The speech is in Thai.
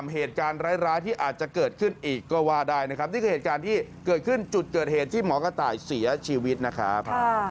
เหตุการณ์ร้ายที่อาจจะเกิดขึ้นอีกก็ว่าได้นะครับนี่คือเหตุการณ์ที่เกิดขึ้นจุดเกิดเหตุที่หมอกระต่ายเสียชีวิตนะครับ